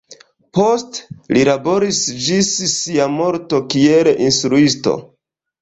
Poste li laboris ĝis sia morto kiel instruisto.